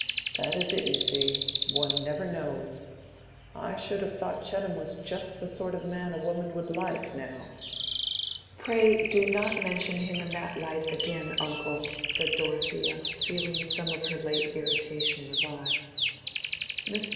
"That is it, you see. One never knows. I should have thought Chettam was just the sort of man a woman would like, now." "Pray do not mention him in that light again, uncle," said Dorothea, feeling some of her late irritation revive. Mr.